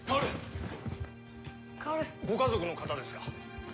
ご家族の方ですか？